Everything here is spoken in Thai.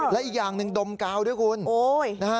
และอีกอย่างหนึ่งดมกาวด้วยคุณ